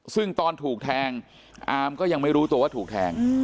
ซึ่งตอนถูกแทงอาร์มก็ยังไม่รู้ตัวว่าถูกแทง